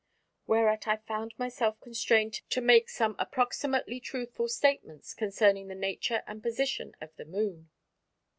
Whereat I found myself constrained to make some approximately truthful statements concerning the nature and position of the Moon.